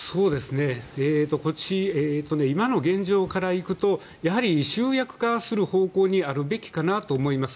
今の現状からいくとやはり集約化する方向にあるべきかなと思います。